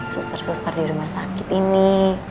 suster suster di rumah sakit ini